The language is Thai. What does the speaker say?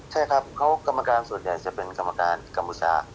ใช่ครับเขากรรมการส่วนใหญ่จะเป็นกรรมการกัมพูชา